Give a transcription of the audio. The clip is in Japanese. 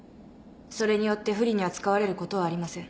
それによって不利に扱われることはありません。